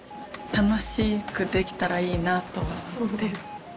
楽しくできたらいいなと思って。